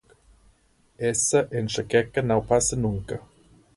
Essa enxaqueca não passa nunca.